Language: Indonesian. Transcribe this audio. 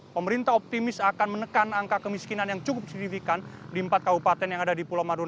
pemerintah optimis akan menekan angka kemiskinan yang cukup signifikan di empat kabupaten yang ada di pulau madura